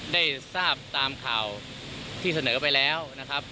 ได้ทราบตามข่าวที่เสนอไปแล้วนะครับ